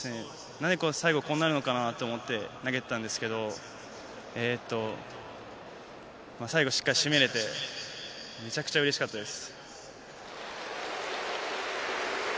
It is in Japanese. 何で最後こうなるのかなと思って投げてたんですけど、最後しっかり締めれてめちゃくちゃうれしかったです。